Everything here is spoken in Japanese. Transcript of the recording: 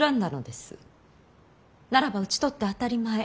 ならば討ち取って当たり前。